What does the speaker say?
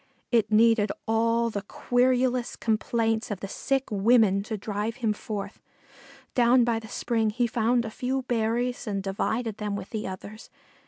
It needed all the querulous complaints of the sick women to drive him forth. Down by the spring he found a few berries and divided them with the others.